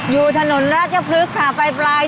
อยู่ถนนรจพฤกษะใบบรายเปลี่ยน